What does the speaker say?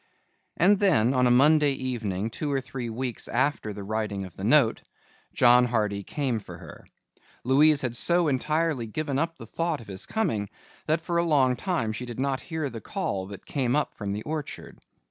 And then on a Monday evening two or three weeks after the writing of the note, John Hardy came for her. Louise had so entirely given up the thought of his coming that for a long time she did not hear the call that came up from the orchard.